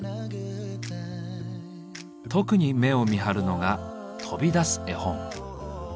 特に目を見張るのが「飛び出す絵本」。